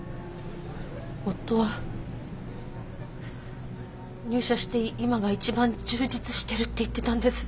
夫は入社して今が一番充実してるって言ってたんです。